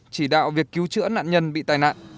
chỉ đạo việc cứu chữa nạn nhân bị tai nạn